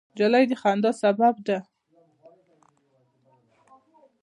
نجلۍ د خندا سبب ده.